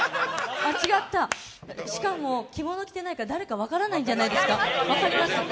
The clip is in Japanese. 間違った、しかも着物、着てないから誰か分からないんじゃないですか？